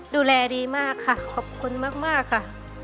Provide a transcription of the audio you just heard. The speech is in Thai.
ดูแลดีมากค่ะขอบคุณมากค่ะ